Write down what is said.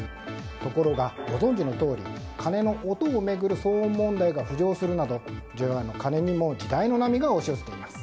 ところが、ご存じのとおり鐘の音を巡る騒音問題が浮上するなど除夜の鐘にも時代の波が押し寄せています。